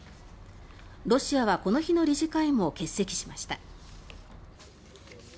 ロシアはこの日の理事会も欠席しました。